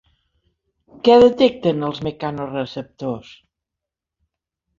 Què detecten els mecanoreceptors?